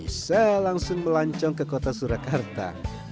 bisa langsung melancong ke kota surakarta